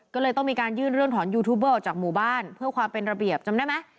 ก็เลยต้องมีการยื่นเรื่องถอนยูทูบเบอร์ออกจากหมู่บ้านเพื่อความเป็นระเบียบจำได้ไหม